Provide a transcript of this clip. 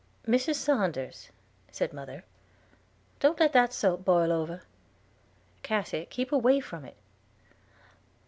"Mrs. Saunders," said mother, "don't let that soap boil over. Cassy, keep away from it."